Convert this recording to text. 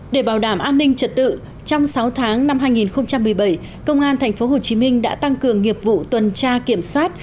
để bảo đảm an ninh trật tự trong sáu tháng năm hai nghìn một mươi bảy công an tp hcm đã tăng cường nghiệp vụ tuần tra kiểm soát